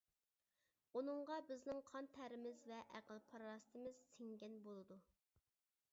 ئۇنىڭغا بىزنىڭ قان-تەرىمىز ۋە ئەقىل-پاراسىتىمىز سىڭگەن بولىدۇ.